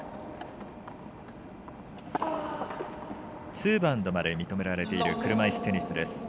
ツーバウンドまで認められている車いすテニスです。